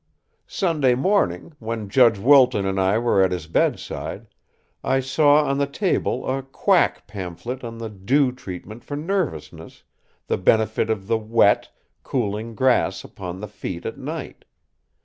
"Sunday morning, when Judge Wilton and I were at his bedside, I saw on the table a 'quack' pamphlet on the 'dew' treatment for nervousness, the benefit of the 'wet, cooling grass' upon the feet at night.